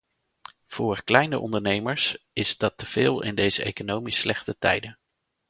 Voor kleine ondernemers is dat te veel in deze economisch slechte tijden.